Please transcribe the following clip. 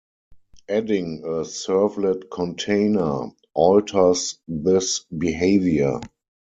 Adding a servlet container alters this behavior.